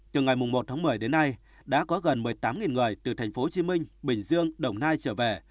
từ ngày một tháng một mươi đến nay đã có gần một mươi tám người từ tp hcm bình dương đồng nai trở về